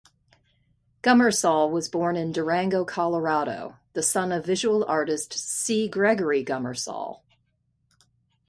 Gummersall was born in Durango, Colorado, the son of visual artist C. Gregory Gummersall.